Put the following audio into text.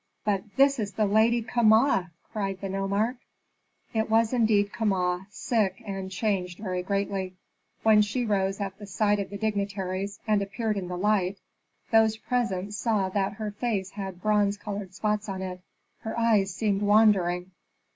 "But this is the Lady Kama!" cried the nomarch. It was indeed Kama, sick and changed very greatly. When she rose at sight of the dignitaries, and appeared in the light, those present saw that her face had bronze colored spots on it. Her eyes seemed wandering.